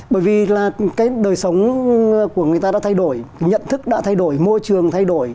bởi vì là cái đời sống của người ta đã thay đổi nhận thức đã thay đổi môi trường thay đổi